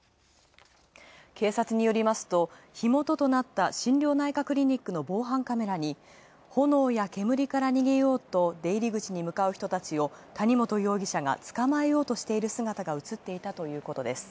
警察によると火元となった心療内科クリニックの防犯カメラに炎や煙から逃げようと出入口に向かう人たちを容疑者がつかまえようとしている姿が映っていたということです。